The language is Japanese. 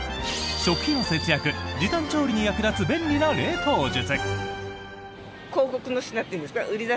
食費の節約・時短調理に役立つ便利な冷凍術！